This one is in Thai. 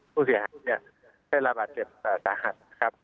ผู้เสียหายเนี่ยได้รับบาดเจ็บสาหัสครับ